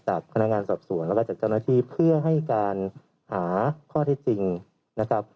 พนักงานสอบสวนแล้วก็จากเจ้าหน้าที่เพื่อให้การหาข้อเท็จจริงนะครับ